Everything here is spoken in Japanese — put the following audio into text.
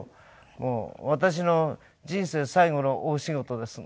もう私の人生最後の大仕事ですので。